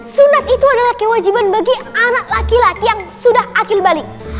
sunat itu adalah kewajiban bagi anak laki laki yang sudah akil balik